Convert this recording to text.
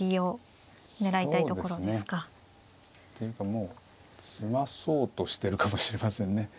ていうかもう詰まそうとしてるかもしれませんね。